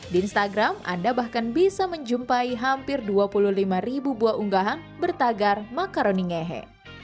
di instagram anda bahkan bisa menjumpai hampir dua puluh lima ribu buah unggahan bertagar makaroni ngehe